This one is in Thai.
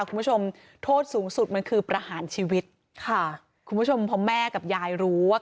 คุณผู้ชมโทษสูงสุดมันคือประหารชีวิตค่ะคุณผู้ชมพอแม่กับยายรู้ว่า